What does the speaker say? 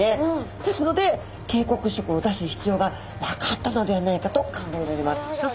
ですので警告色を出す必要がなかったのではないかと考えられます。